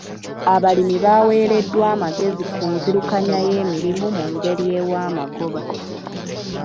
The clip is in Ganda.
Abalimi baaweereddwa amagezi ku nzirukanya y'emirimu mu ngeri ewa amagoba.